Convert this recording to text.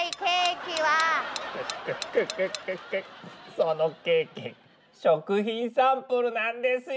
そのケーキ食品サンプルなんですよ。